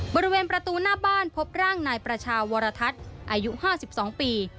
บริเวณประตูหน้าบ้านพบร่างนายประชาวรทัศน์อายุ๕๒ปี